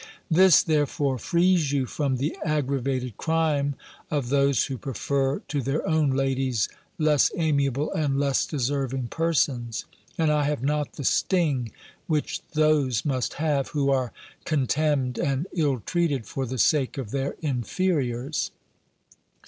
This therefore frees you from the aggravated crime of those, who prefer, to their own ladies, less amiable and less deserving persons; and I have not the sting which those must have, who are contemned and ill treated for the sake of their inferiors.